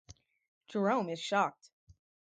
Jerome is shocked.